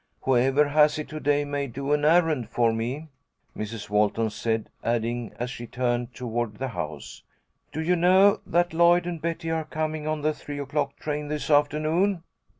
"Whoever has it to day may do an errand for me," Mrs. Walton said, adding, as she turned toward the house, "Do you know that Lloyd and Betty are coming on the three o'clock train this afternoon?"